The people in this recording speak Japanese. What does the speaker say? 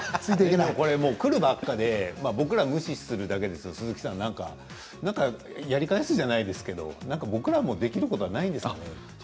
くるばかりで僕らは無視するんですが鈴木さん何かやり返すじゃないですけど僕らもできることはないんですか。